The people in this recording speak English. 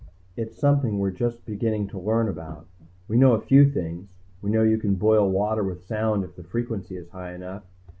It's something we're just beginning to learn about. We know a few things; we know you can boil water with sound if the frequency is high enough.